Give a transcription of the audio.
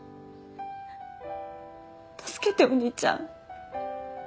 助けてお兄ちゃん。